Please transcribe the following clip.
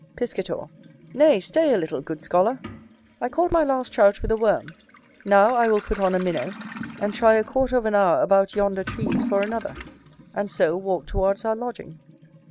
Piscator. Nay, stay a little, good scholar. I caught my last Trout with a worm; now I will put on a minnow, and try a quarter of an hour about yonder trees for another; and, so, walk towards our lodging.